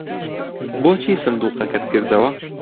بۆچی سندووقەکەت کردەوە؟